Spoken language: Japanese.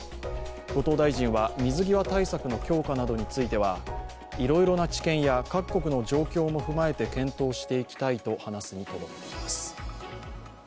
後藤大臣は水際対策の強化などについてはいろいろな治験や各国の状況も踏まえて検討していきたいと話すにとどめています。